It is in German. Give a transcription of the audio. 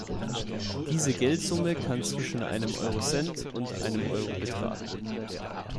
Diese Geldsumme kann zwischen einem Eurocent und einem Euro betragen.